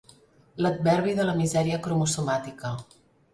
L'adverbi de la misèria cromosomàtica.